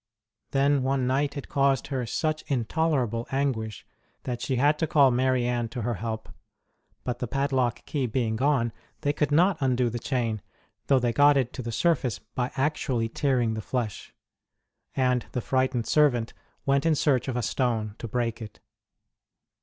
Then one night it caused her such intolerable anguish that she had to call Marianne to her help ; but, the padlock key being gone, they could not undo the chain, though they got it to the surface by actually tearing the flesh ; and the frightened servant went in search of a stone to break it.